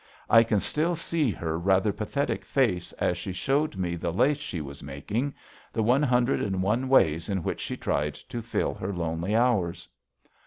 I can still see her rather pathetic face as she showed me the lace she was making, the one hundred and one ways in which she tried to fill her lonely hours.